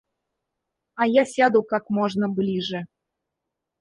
А я сяду как можно ближе.